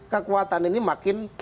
kekuatan ini makin